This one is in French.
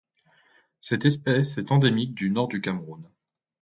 Cette espèce est endémique du Nord du Cameroun.